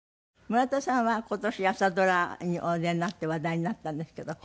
村田さんは今年朝ドラにお出になって話題になったんですけど。